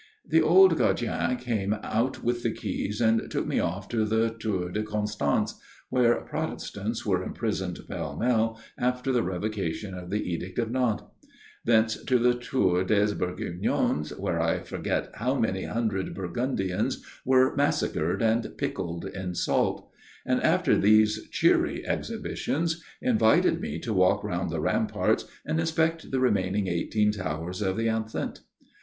The old gardien came out with the keys and took me off to the Tour de Constance, where Protestants were imprisoned pell mell after the revocation of the Edict of Nantes; thence to the Tour des Bourguignons, where I forget how many hundred Burgundians were massacred and pickled in salt; and, after these cheery exhibitions, invited me to walk round the ramparts and inspect the remaining eighteen towers of the enceinte.